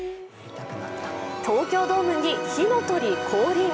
東京ドームに火の鳥降臨。